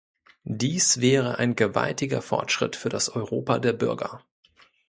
Dies wäre ein gewaltiger Fortschritt für das Europa der Bürger.